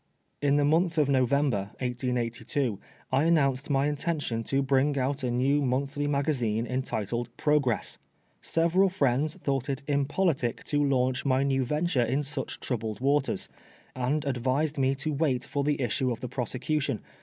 Ik the month of November (1882) I announced my intention to bring out a new monthly magazine entitled Progress. Several friends thought it impolitic to launch my new venture in such troubled waters, and ANOTHBR PBOSBOUTION. 49 advised me to wait for the issue of the prosecution.